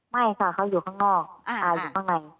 ไม่ค่ะเขาอยู่ข้างนอกตายอยู่ข้างใน